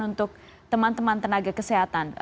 untuk teman teman tenaga kesehatan